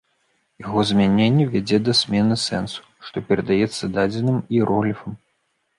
Яго змяненне вядзе да змены сэнсу, што перадаецца дадзеным іерогліфам.